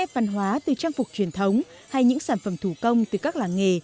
văn hóa từ trang phục truyền thống hay những sản phẩm thủ công từ các làng nghề